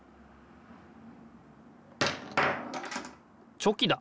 チョキだ。